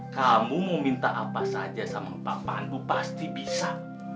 kamu mau minta apa saja sama papaanmu pasti bisa